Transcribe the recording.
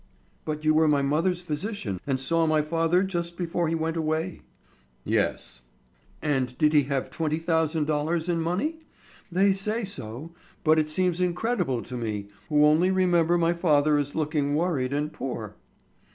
"But you were my mother's physician and saw my father just before he went away." "Yes." "And did he have twenty thousand dollars in money? They say so, but it seems incredible to me, who only remember my father as looking worried and poor."